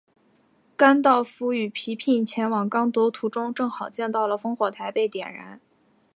甘道夫与皮聘前往刚铎途中正好见到了烽火台被点燃。